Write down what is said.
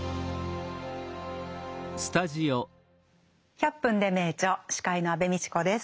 「１００分ｄｅ名著」司会の安部みちこです。